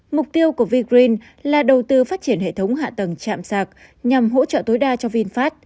mục tiêu của vingren là đầu tư phát triển hệ thống hạ tầng chạm sạc nhằm hỗ trợ tối đa cho vinfast